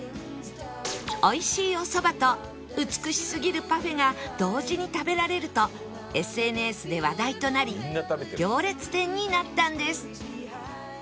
おいしいおそばと美しすぎるパフェが同時に食べられると ＳＮＳ で話題となり行列店になったんです